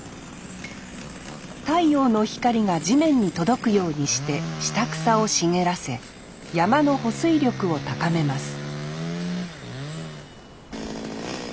太陽の光が地面に届くようにして下草を茂らせ山の保水力を高めます